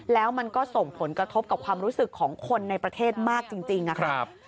แล้วมันก็ส่งผลกระทบกับความรู้สึกของคนในประเทศมากจริงนะครับ